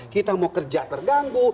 kita mau kerja terganggu